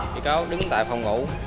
bị cáo đứng tại phòng ngủ